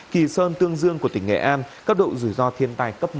kỳ sơn tương dương của tỉnh nghệ an cấp độ rủi ro thiên tài cấp năm